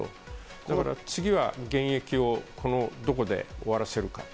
だから次は現役をどこで終わらせるか。